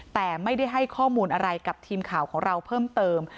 แต่ไม่ได้ให้ข้อมูลอะไรกับทีมข่าวของเราเพิ่มเติม